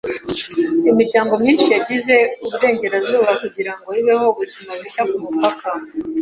Imiryango myinshi yagiye iburengerazuba kugirango ibeho ubuzima bushya kumupaka.